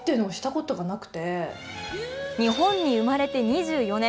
日本に生まれて２４年。